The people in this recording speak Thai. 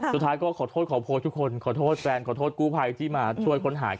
สุดท้ายก็ขอโทษขอโพยทุกคนขอโทษแฟนขอโทษกู้ภัยที่มาช่วยค้นหา